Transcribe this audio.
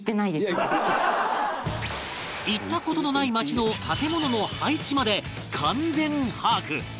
行った事のない街の建物の配置まで完全把握